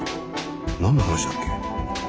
何の話だっけ？